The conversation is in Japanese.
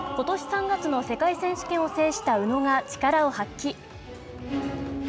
ことし３月の世界選手権を制した宇野が力を発揮。